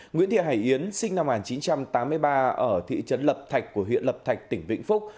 nguyễn thị hải yến sinh năm một nghìn chín trăm tám mươi ba ở thị trấn lập thạch của huyện lập thạch tỉnh vĩnh phúc